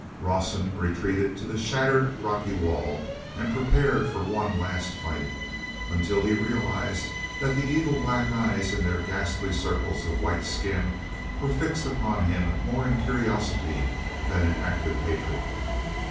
Rawson retreated to the shattered, rocky wall and prepared for one last fight, until he realized that the evil black eyes in their ghastly circles of white skin were fixed upon him more in curiosity than in active hatred.